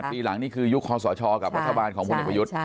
๘ปีหลังนี่คือยุคศชกับประธาบาลของพลังประยุทธ์